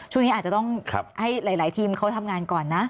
ช่วงนี้อาจจะต้องให้หลายทีมเขาทำงานก่อนนะ